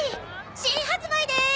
新発売です！